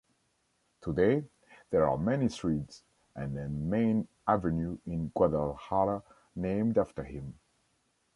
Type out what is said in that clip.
Today, there are many streets and a main avenue in Guadalajara named after him.